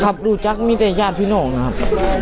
ครับรู้จักมีแต่ญาติพิโน่นะครับ